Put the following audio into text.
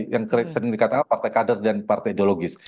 yang sering dikatakan partai kader dan partai ideologis